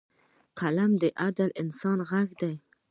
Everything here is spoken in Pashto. قلم د عادل انسان غږ دی